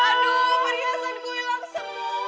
aduh perhiasan gue hilang semua